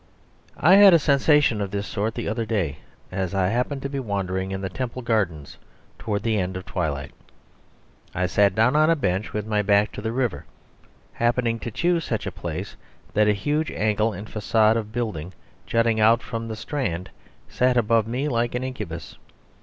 ..... I had a sensation of this sort the other day as I happened to be wandering in the Temple Gardens towards the end of twilight. I sat down on a bench with my back to the river, happening to choose such a place that a huge angle and façade of building jutting out from the Strand sat above me like an incubus.